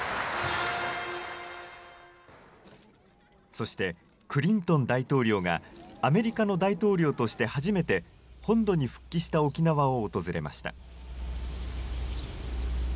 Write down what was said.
そしてクリントン大統領がアメリカの大統領として初めて、本土に復帰した沖縄を訪れました。